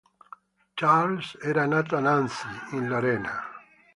Charles era nato a Nancy, in Lorena.